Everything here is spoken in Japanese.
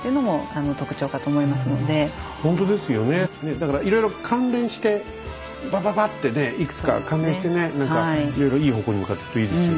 だからいろいろ関連してバババッてねいくつか関連してね何かいろいろいい方向に向かってくといいですよね。